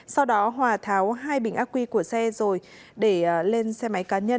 sau đó hòa tháo hai bình ác quy của xe rồi để lên xe máy cá nhân